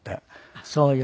あっそうよね。